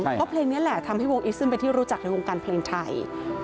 เพราะเพลงนี้แหละทำให้วงอิสซึ่งเป็นที่รู้จักในวงการเพลงไทย